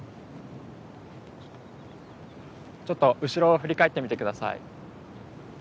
ちょっと後ろを振り返ってみて下さい。